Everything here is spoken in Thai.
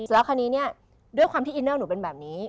แล้วคราวนี้เนี่ยด้วยความที่อินเนอร์หนูเป็นแบบนี้